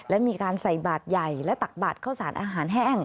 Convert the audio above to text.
และมีการใส่บาทใหญ่และตักบาดเข้าสารอาหารแห้ง